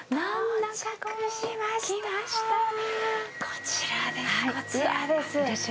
こちらです、こちらです。